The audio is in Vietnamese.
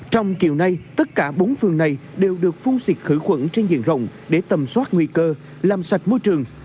trong kiểu này tất cả bốn phường này đều được phun xịt khử khuẩn trên diện rồng để tầm soát nguy cơ làm sạch môi trường